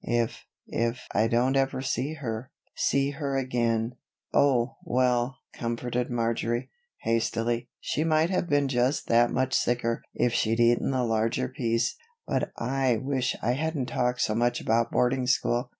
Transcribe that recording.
If if I don't ever see see her again " "Oh, well," comforted Marjory, hastily, "she might have been just that much sicker if she'd eaten the larger piece. But I wish I hadn't talked so much about boarding school.